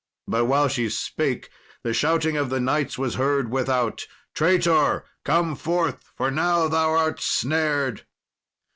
But while she spake the shouting of the knights was heard without, "Traitor, come forth, for now thou art snared!"